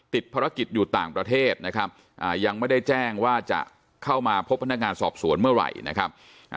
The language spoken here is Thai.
ติดภารกิจอยู่ต่างประเทศนะครับยังไม่ได้แจ้งว่าจะเข้ามาพบพนักงานสอบสวนเมื่อไหร่นะครับ